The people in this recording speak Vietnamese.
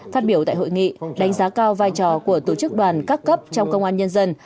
phát biểu tại hội nghị đánh giá cao vai trò của tổ chức đoàn các cấp trong công an nhân dân